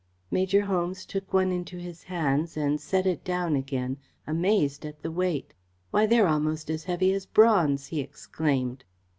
Major Holmes took one into his hands and set it down again, amazed at the weight. "Why, they're almost as heavy as bronze," he exclaimed.